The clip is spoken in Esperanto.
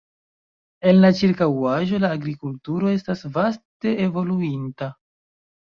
En la ĉirkaŭaĵo la agrikulturo estas vaste evoluinta.